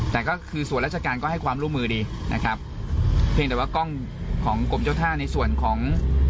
แต่ก็คือส่วนราชการก็ให้ความร่วมมือดีนะครับเพียงแต่ว่ากล้องของกรมเจ้าท่าในส่วนของ